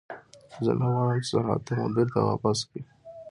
زه نه غواړم چې سرحد ته مو بېرته واپس کړي.